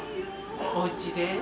おうちで？